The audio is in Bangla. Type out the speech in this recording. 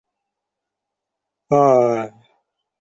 সেটা মার্চ এপ্রিল মাসে বাংলাদেশ দলের শ্রীলঙ্কা সফরের সময়।